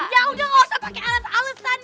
ya udah gak usah pake ales alesan